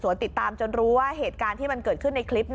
ติดตามจนรู้ว่าเหตุการณ์ที่มันเกิดขึ้นในคลิป